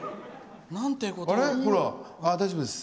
ああ、大丈夫です。